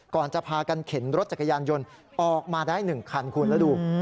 ก่อนจะพากันเข็นรถจักรยานยนต์ออกมาได้๑คันคุณแล้วดู